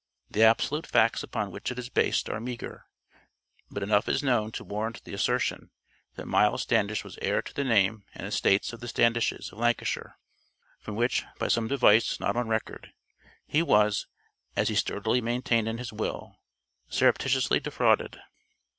The absolute facts upon which it is based are meagre, but enough is known to warrant the assertion that Miles Standish was heir to the name and estates of the Standishes of Lancashire, from which, by some device not on record, he was, as he sturdily maintained in his will, "surreptitiously" defrauded.